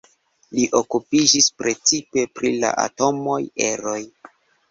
Li okupiĝis precipe pri la atomaj eroj.